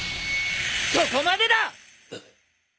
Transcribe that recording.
そこまでだ！